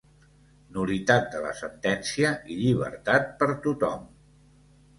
Nul·litat de la sentència i llibertat per tothom!